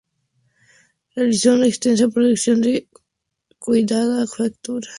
Realizó una extensa producción de cuidada factura.